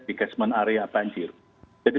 di catchment area banjir jadi